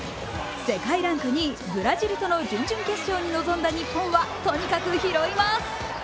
世界ランク２位、ブラジルとの準々決勝に臨んだ日本はとにかく拾います。